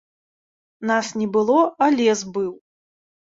Нас не было, а лес быў.